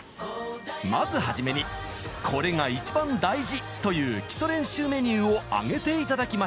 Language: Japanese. まずはじめに「コレが一番大事！」という基礎練習メニューを挙げて頂きました！